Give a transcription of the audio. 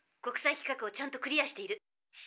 国際規格をちゃんとクリアーしている。